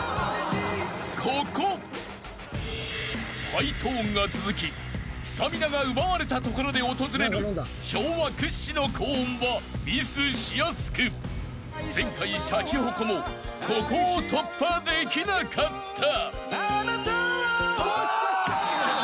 ［ハイトーンが続きスタミナが奪われたところで訪れる昭和屈指の高音はミスしやすく前回シャチホコもここを突破できなかった］